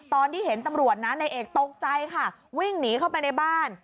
ตอนที่เห็นตำรวจนะนายเอกตกใจค่ะวิ่งหนีเข้าไปในบ้าน